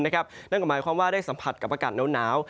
นั่นก็หมายความว่าได้สัมผัสกับอากาศหนาว